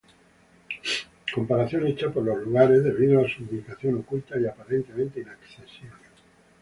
Comparación hecha por los lugareños debido a su ubicación oculta y aparentemente inaccesible.